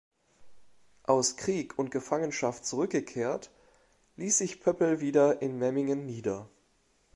Aus Krieg und Gefangenschaft zurückgekehrt, ließ sich Pöppel wieder in Memmingen nieder.